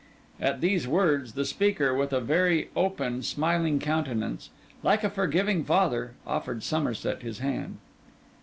At these words, the speaker, with a very open, smiling countenance, like a forgiving father, offered Somerset his hand.